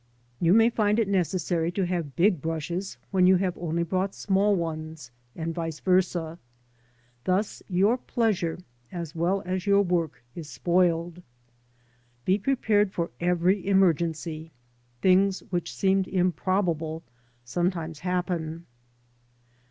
You may find it necessary to have big brushes when you have only brought small ones, and vice versd, thus your pleasure as well as your work is spoiled. Be prepared for every emergency. Things which seemed improbable sometimes happen.